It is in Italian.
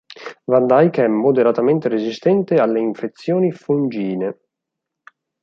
Van Dyke è moderatamente resistente alle infezioni fungine.